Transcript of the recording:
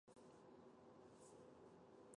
In these ways, it differs from the living lancelet.